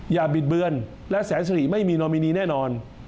บิดเบือนและแสนสิริไม่มีนอมินีแน่นอน